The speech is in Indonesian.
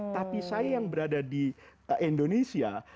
tapi saya yang berada di indonesia